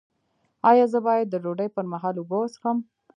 ایا زه باید د ډوډۍ پر مهال اوبه وڅښم؟